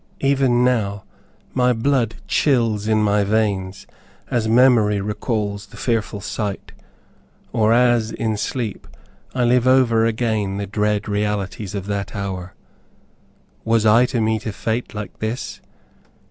Even now, my blood chills in my veins, as memory recalls the fearful sight, or as, in sleep, I live over again the dread realities of that hour. Was I to meet a fate like this?